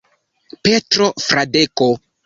Petro Fradeko.